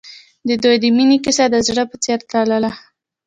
د دوی د مینې کیسه د زړه په څېر تلله.